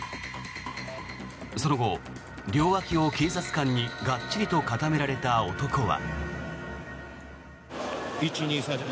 その後、両脇を警察官にがっちりと固められた男は。